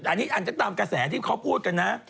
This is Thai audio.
อันนี้อาจจะตามกระแสที่เขาพูดกันนะ